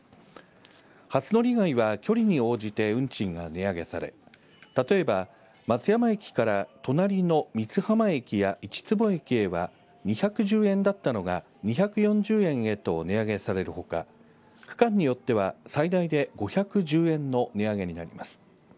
初乗り以外は距離に応じて運賃が値上げされ例えば、松山駅から隣の三津浜駅や市坪駅は２１０円だったのが２４０円へと値上げされるほか区間によっては、最大で５１０円の値上げになります。